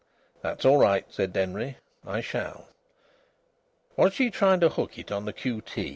"That's all right," said Denry. "I shall." "Was she trying to hook it on the q.